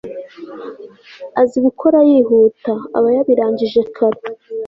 azi gukora yihuta aba yabirangije kare